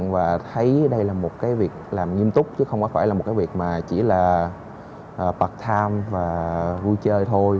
và thấy đây là một cái việc làm nghiêm túc chứ không phải là một cái việc mà chỉ là part time và vui chơi thôi